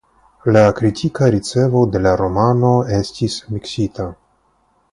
La kritika ricevo de la romano estis miksita.